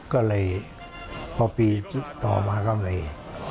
ก็เลยพอปีต่อมาก็เลย